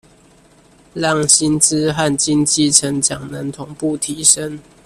讓薪資和經濟成長能同步提升